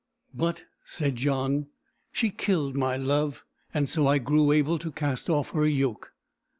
"But," said John, "she killed my love, and so I grew able to cast off her yoke."